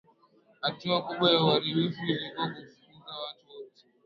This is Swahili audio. Hatua kubwa ya uharibifu ilikuwa kufukuza watu wote